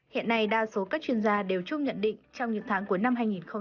hiện nay đa số các chuyên gia đều chung nhận định trong những tháng cuối năm hai nghìn hai mươi